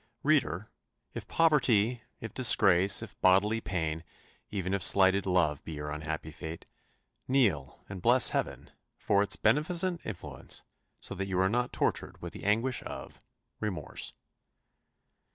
Reader, if poverty, if disgrace, if bodily pain, even if slighted love be your unhappy fate, kneel and bless Heaven for its beneficent influence, so that you are not tortured with the anguish of remorse.